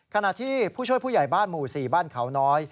ขณะที่ผู้ช่วยผู้ใหญ่บ้านหมู่๔บ้านเขาน้อย